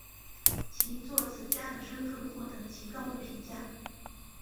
其作词家的身份获得极高的评价。